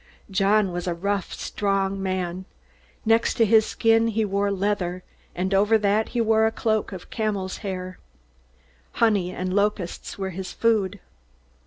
John was a rough, strong man. Next to his skin he wore leather, and over that he wore a cloak of camel's hair. Honey and locusts were his food.